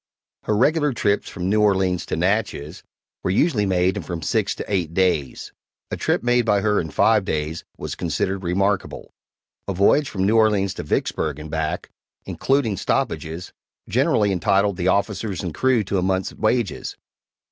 Her regular trips from New Orleans to Natchez were usually made in from six to eight days; a trip made by her in five days was considered remarkable. A voyage from New Orleans to Vicksburg and back, including stoppages, generally entitled the officers and crew to a month's wages.